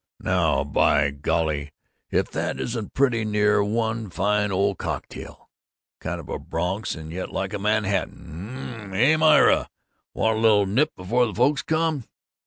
"Now, by golly, if that isn't pretty near one fine old cocktail! Kind of a Bronx, and yet like a Manhattan. Ummmmmm! Hey, Myra, want a little nip before the folks come?"